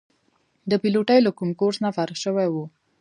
د پیلوټۍ له کوم کورس نه فارغ شوي وو.